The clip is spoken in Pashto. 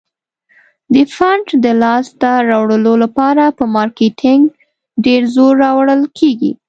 د فنډ د لاس ته راوړلو لپاره په مارکیټینګ ډیر زور راوړل کیږي.